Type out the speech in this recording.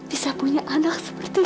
bisa punya anak seperti